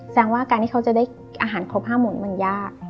ว่าการที่เขาจะได้อาหารครบ๕หมุนมันยาก